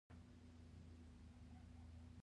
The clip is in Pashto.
سهار د صبر درس ورکوي.